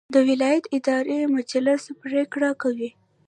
د ولایت اداري مجلس پریکړې کوي